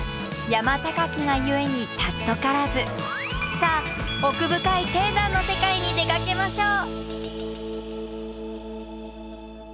さあ奥深い低山の世界に出かけましょう。